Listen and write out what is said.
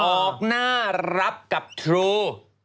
ออกหน้ารับกับทรู